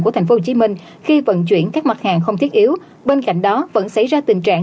của tp hcm khi vận chuyển các mặt hàng không thiết yếu bên cạnh đó vẫn xảy ra tình trạng